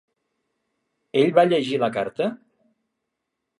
Ell va llegir la carta?